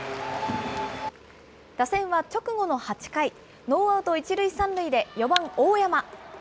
打線は直後の８回、ノーアウト１塁３塁で４番大山。